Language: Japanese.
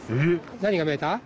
何が見えた？